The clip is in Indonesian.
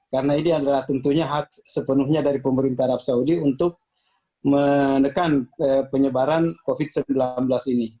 karena ini adalah tentunya hak sepenuhnya dari pemerintah arab saudi untuk menekan penyebaran covid sembilan belas ini